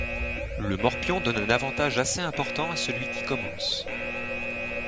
Le morpion donne un avantage assez important à celui qui commence.